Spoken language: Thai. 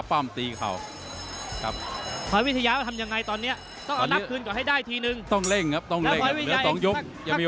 ปลายการรองหล่อเพราะวิทยาก็หึดขึ้นมาใช่ไหม